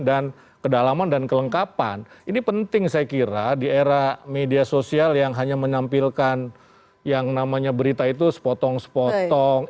dan kedalaman dan kelengkapan ini penting saya kira di era media sosial yang hanya menyampilkan yang namanya berita itu sepotong sepotong